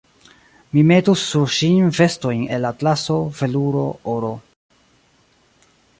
Mi metus sur ŝin vestojn el atlaso, veluro, oro.